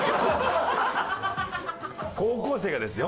高校生がですよ